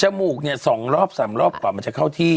จมูกเนี่ย๒๓รอบก่อนมันจะเข้าที่